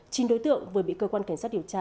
chín đối tượng vừa bị cơ quan cảnh sát điều tra